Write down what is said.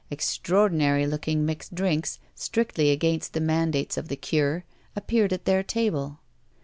Extraordinary looking mixed drinks, strictly against the mandates of the '*cure," appeared at their table.